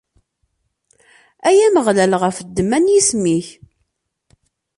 Ay Ameɣlal, ɣef ddemma n yisem-ik.